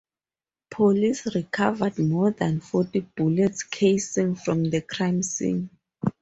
Police recovered more than forty bullet casings from the crime scene.